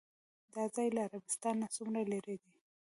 دا ځای له عربستان نه څومره لرې دی؟